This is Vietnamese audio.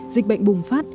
dịch bệnh bùng phát